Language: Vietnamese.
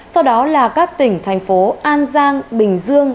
sau đó là các tỉnh thành phố an giang bình dương